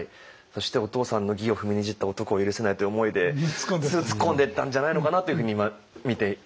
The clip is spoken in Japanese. そしてお父さんの義を踏みにじった男を許せないという思いで突っ込んでったんじゃないのかなっていうふうに今見ていました。